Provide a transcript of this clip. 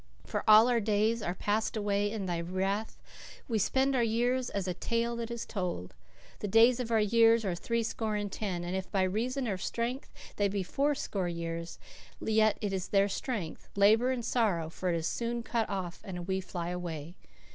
For all our days are passed away in thy wrath; we spend our years as a tale that is told. The days of our years are threescore and ten; and if by reason of strength they be fourscore years yet is their strength, labour and sorrow; for it is soon cut off and we fly away....